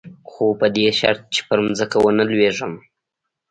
خو په دې شرط چې پر ځمکه ونه لېږم.